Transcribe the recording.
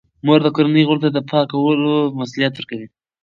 مور د کورنۍ غړو ته د پاکولو مسوولیت ورکوي.